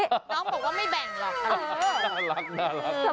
น้องบอกว่าไม่แบ่งหรอกน่ารัก